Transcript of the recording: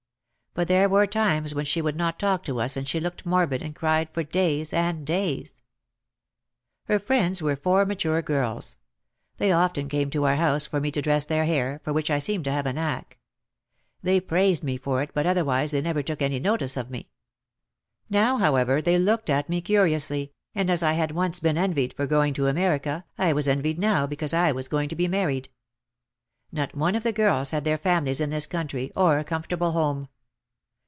But there were times when she would not talk to us and she looked morbid and cried for days and days. Her friends were four mature girls. They often came to our house for me to dress their hair, for which I seemed to have a knack. They praised me for it but otherwise they never took any notice of me. Now, how ever, they looked at me curiously, and as I had once been envied for going to America I was envied now because I was going to be married. Not one of the girls had their families in this country, or a comfortable home.